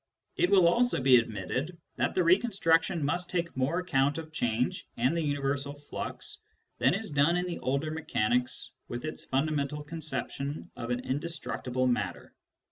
It will also be admitted that the reconstruction must take more account of change and the universal flux than is done in the older mechanics with its fundamental conception of an indestructible matter.